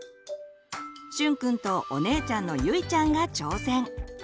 しゅんくんとお姉ちゃんのゆいちゃんが挑戦！